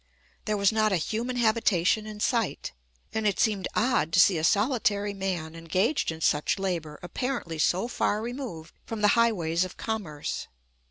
There was not a human habitation in sight, and it seemed odd to see a solitary man engaged in such labor apparently so far removed from the highways of commerce.